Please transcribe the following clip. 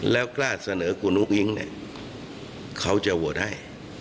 แล้วกล้าเสนอคุณอุ้งอิ๊งเนี่ยเขาจะโหวตให้